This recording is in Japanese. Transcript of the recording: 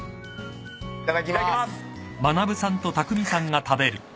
いただきます。